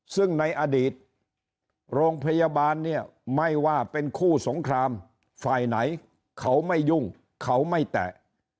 ซึ่งในอดีตโรงพยาบาลเนี่ยไม่ว่าเป็นคู่สงครามฝ่ายไหนเขาไม่ยุ่งเขาไม่แตะ